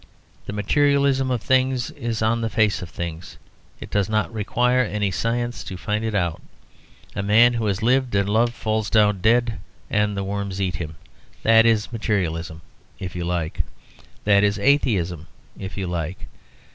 The materialism of things is on the face of things; it does not require any science to find it out. A man who has lived and loved falls down dead and the worms eat him. That is Materialism if you like. That is Atheism if you like.